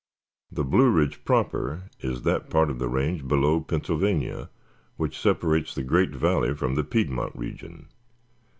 The Blue Ridge proper is that part of the range below Pennsylvania which separates the Great Valley from the Piedmont region.